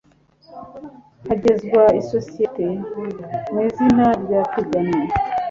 hahezwa isosiyete mu izina ryapiganwe